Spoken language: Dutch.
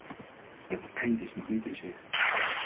Het eind is nog niet in zicht.